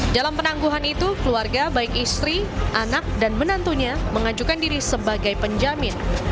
dalam penangguhan itu keluarga baik istri anak dan menantunya mengajukan diri sebagai penjamin